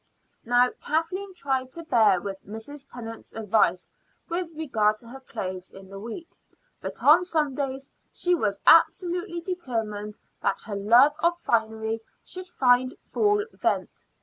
Now, Kathleen tried to bear with Mrs. Tennant's advice with regard to her clothes in the week, but on Sundays she was absolutely determined that her love of finery should find full vent.